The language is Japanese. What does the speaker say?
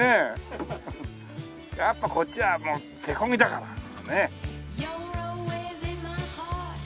やっぱこっちは手漕ぎだからねえ。